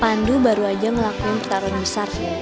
pandu baru aja melakukan pertarungan besar